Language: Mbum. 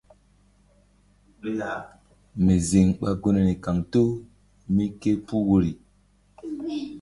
Mi ziŋ ɓa gunri kaŋto mí ké puh woirii.